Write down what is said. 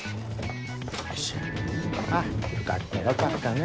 あっよかったよかったね。